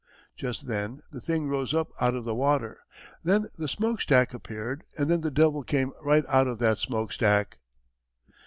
"Just then the thing rose up out of the water, then the smokestack appeared, and then the devil came right out of that smokestack."